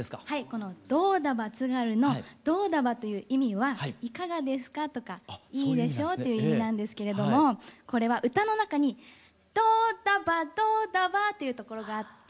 この「どうだば津軽」の「どうだば」という意味は「いかがですか」とか「いいでしょ」という意味なんですけれどもこれは歌の中に「どうだばどうだば」というところがあって。